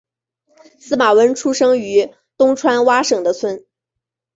司马温出生于东爪哇省的村。